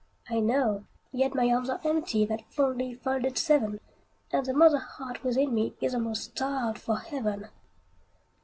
I know, yet my arms are empty, That fondly folded seven, And the mother heart within me Is almost starved for heaven.